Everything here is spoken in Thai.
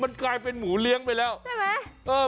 มันกลายเป็นหมูเลี้ยงไปแล้วใช่ไหม